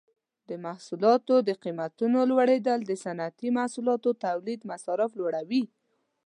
د محصولاتو د قیمتونو لوړیدل د صنعتي محصولاتو تولید مصارف لوړوي.